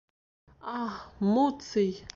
Аһ, Муций!